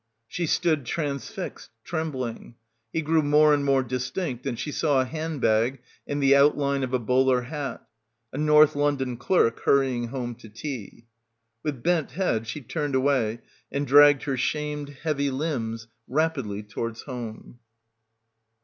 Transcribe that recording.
She stood transfixed, trembling. He grew more and more distinct and she saw a handbag and the outline of a bowler hat; a North London clerk hurrying home to tea. With bent head she turned away and dragged her shamed heavy limbs rapidly towards home.